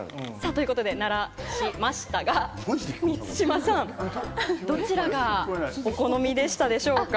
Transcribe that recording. ということで鳴らしましたが、満島さん、どちらがお好みでしたでしょうか？